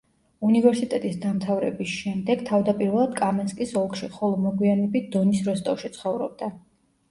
უნივერსიტეტის დამთავრების შემდეგ თავდაპირველად კამენსკის ოლქში, ხოლო მოგვიანებით დონის როსტოვში ცხოვრობდა.